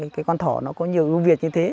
cái con thỏ nó có nhiều ưu việt như thế